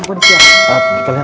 kalian sepatu aku sekalian